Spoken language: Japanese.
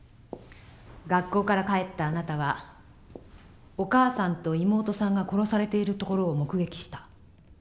学校から帰ったあなたはお母さんと妹さんが殺されているところを目撃した。